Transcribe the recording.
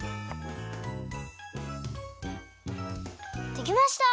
できました！